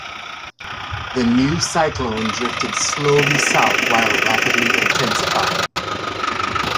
The new cyclone drifted slowly south while rapidly intensifying.